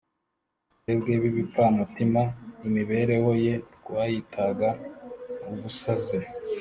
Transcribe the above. Twebwe b’ibipfamutima, imibereho ye twayitaga ubusazi,